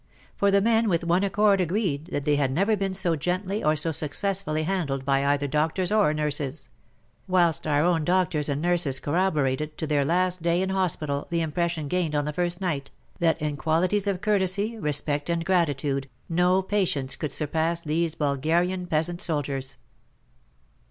For the men with one accord agreed that they had never been WAR AND WOMEN 147 so gently or so successfully handled by either doctors or nurses ; whilst our own doctors and nurses corroborated, to their last day in hospital, the impression gained on the first night, that in qualities of courtesy, respect, and gratitude, no patients could surpass these Bulgarian peasant soldiers.